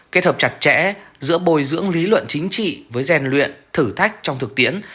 kết hợp chặt chẽ giữa bồi dưỡng lý luận chính trị với gian luyện thử thách trong thực tiễn